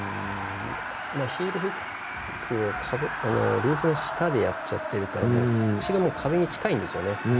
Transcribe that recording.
ヒールフック両手の下でやっちゃってるから腰がもう壁に近いんですよね。